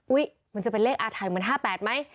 อุ๊ยมันจะเป็นเลขอาทัยเหมือน๕๘ไหม